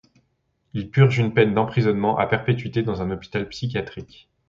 Il purge une peine d’emprisonnement à perpétuité dans un hôpital psychiatrique.